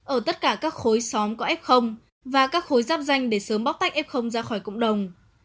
ở tất cả các khối xóm có f và các khối giáp danh để sớm bóc tách f ra khỏi cộng đồng